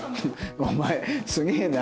お前すげえな。